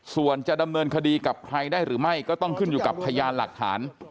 ส่วนจะดำเนินคดีกับใครได้หรือไม่ก็ต้องขึ้นอยู่กับพยานหลักฐาน